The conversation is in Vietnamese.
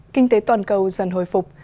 kinh tế toàn cầu dần hồi phục